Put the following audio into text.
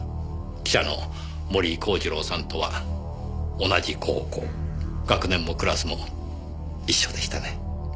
記者の森井孝次郎さんとは同じ高校学年もクラスも一緒でしたね。